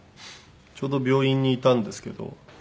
ちょうど病院にいたんですけど。